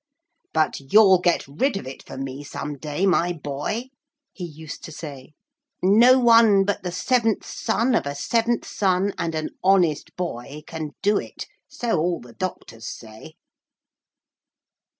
'But you'll get rid of it for me some day, my boy,' he used to say. 'No one but the seventh son of a seventh son and an honest boy can do it. So all the doctors say.'